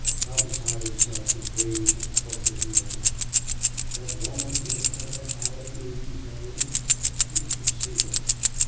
How beside himself with rage and torture he had been! That woman to utter Allie Lee's name! Inconceivable!